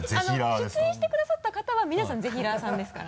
出演してくださった方は皆さんぜひらーさんですから。